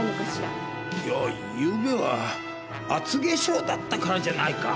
いやゆうべは厚化粧だったからじゃないか。